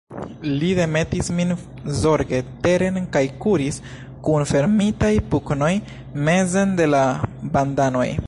Li demetis min zorge teren kaj kuris, kun fermitaj pugnoj, mezen de la bandanoj.